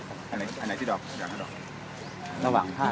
สวัสดีครับ